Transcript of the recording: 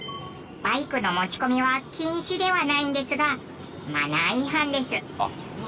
バイクの持ち込みは禁止ではないんですがマナー違反です。